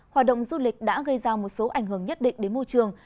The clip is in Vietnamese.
hoạt động du lịch đã gây ra một số ảnh hưởng nhất định đến môi trường